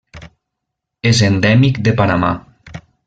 És endèmic de Panamà.